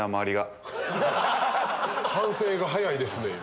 反省が早いですね。